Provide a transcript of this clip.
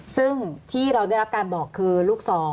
ซึ่งที่เราได้รับการบอกคือลูก๒